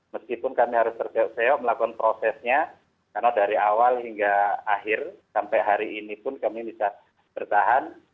meskipun kami harus terok seok melakukan prosesnya karena dari awal hingga akhir sampai hari ini pun kami bisa bertahan